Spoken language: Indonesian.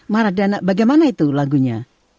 maradana bagaimana itu lagunya